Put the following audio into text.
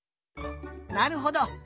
なるほど！